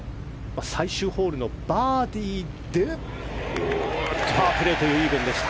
最終ホールのバーディーでパープレーというイーブンでした。